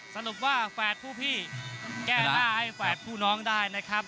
สรุปว่าแฝดผู้พี่แก้หน้าให้แฝดผู้น้องได้นะครับ